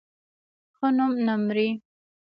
ښه نوم نه مري